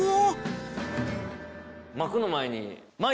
幕の前に。